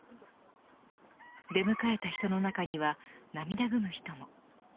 出迎えた人の中には涙ぐむ人も。